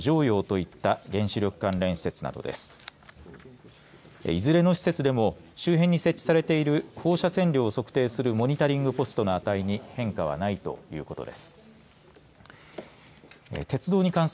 いずれの施設でも周辺に設置されている放射線量を測定するモニタリングポストの値にも変化はないということです。